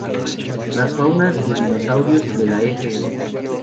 Las faunas de dinosaurios de la Fm.